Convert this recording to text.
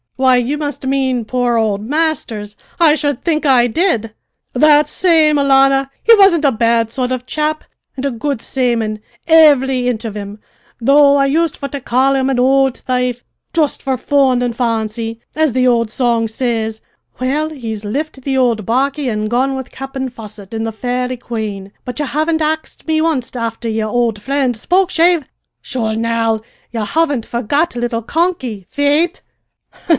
"Why, you must mean poor old Masters! I should think I did." "That same, alannah. He wasn't a bad sort of chap, an' a good sayman, ivvry inch of him, though I used for to call him an ould thaife just `for fun an' fancy' as the old song says well, he's lift the ould barquey an' gone with Cap'en Fosset in the Fairi Quane. But ye haven't axed me onst afther yer ould fri'nd Spokeshave! Sure, now, ye haven't forgot little `Conky,' faith!"